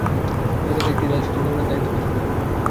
তিনি তাকে একটি রেলসেতু নির্মাণের দায়িত্ব প্রদান করেন।